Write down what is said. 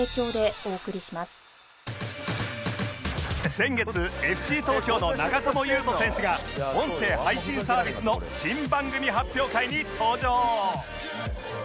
先月 ＦＣ 東京の長友佑都選手が音声配信サービスの新番組発表会に登場！